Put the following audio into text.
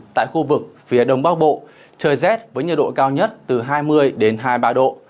tại khu vực phía đông bắc bộ trời rét với nhiệt độ cao nhất từ hai mươi đến hai mươi ba độ